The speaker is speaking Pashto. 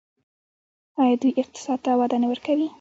آیا دوی اقتصاد ته وده نه ورکوي؟